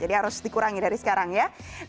jadi harus dikurangi dari sekarang ya